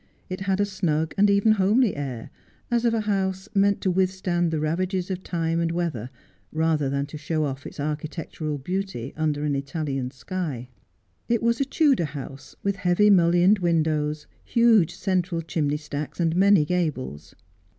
It had a snug and even homely air, as of a house meant to withstand the ravages of time and weather rather than to show oil' its architectural beauty under an Italian skv. It was a Tudor house, with heavy mullioned windows, huge central chimney stacks, and many gables.